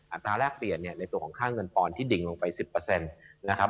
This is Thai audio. อัตราแรกเปลี่ยนเนี่ยในตัวของค่าเงินปอนดที่ดิ่งลงไป๑๐นะครับ